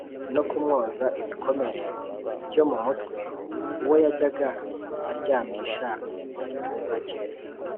no kumwoza ibikomere byo mu mutwe, uwo yajyaga aryamisha mu gituza cye